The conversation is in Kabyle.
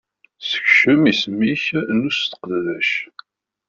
Sekcem isem-ik n useqdac.